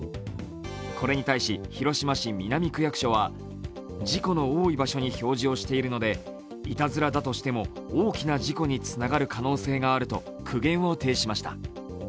これに対し、広島市南区役所は事故の多い場所に表示をしているので、いたずらだとしても大きな事故につながる可能性があると苦言を呈しました。